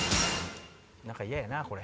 何か嫌やなこれ。